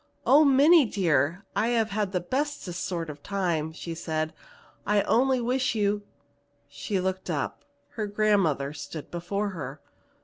"Oh, Minnie dear, I have had the bestest sort of a time!" she said. "I only wish you " She looked up. Her grandmother stood before her.